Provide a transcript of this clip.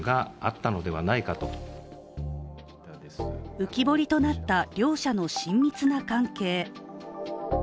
浮き彫りとなった両社の親密な関係。